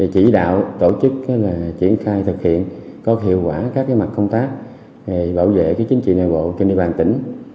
chỉ đạo tổ chức triển khai thực hiện có hiệu quả các mặt công tác bảo vệ chính trị nội bộ trên địa bàn tỉnh